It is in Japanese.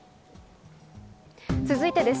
続いてです。